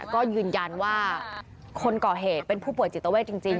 ก็ยืนยันว่าคนก่อเหตุเป็นผู้ป่วยจิตเวทจริง